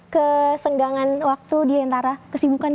kesenggangan waktu diantara kesibukan